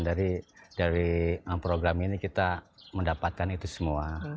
dari program ini kita mendapatkan itu semua